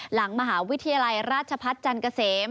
หลังมหาวิทยาลัยราชพัฒน์จันทร์เกษม